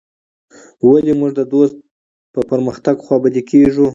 ولي موږ د دوست په پرمختګ خوابدي کيږو.